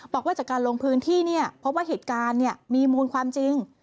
บอกว่าจากการลงพื้นที่เนี่ยพบว่าเหตุการณ์มีมูลความจริง